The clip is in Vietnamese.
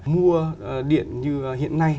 mua điện như hiện nay